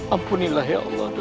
ampunilah ya allah